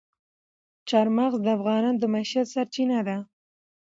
چار مغز د افغانانو د معیشت سرچینه ده.